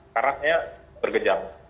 karena saya bergejala